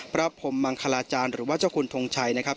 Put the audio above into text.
พระพรมมังคลาจารย์หรือว่าเจ้าคุณทงชัยนะครับ